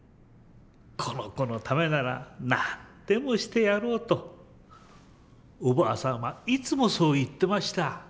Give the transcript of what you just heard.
「この子のためなら何でもしてやろう」とおばあさんはいつもそう言ってました。